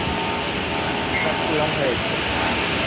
চামড়া খোলা হয়েছে।